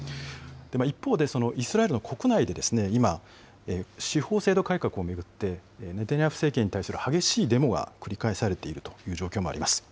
一方で、イスラエルは国内でですね、今、司法制度改革を巡って、ネタニヤフ政権に対する激しいデモが繰り返されているという状況もあります。